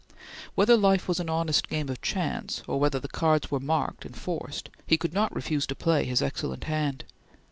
Whether life was an honest game of chance, or whether the cards were marked and forced, he could not refuse to play his excellent hand.